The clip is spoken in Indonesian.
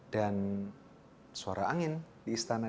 dan suara angin di istana